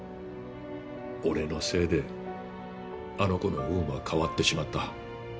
俺のせいであの子の運は変わってしまった。